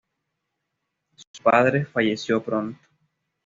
Su padre falleció pronto.